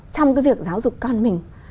trong cái việc giáo dục con mình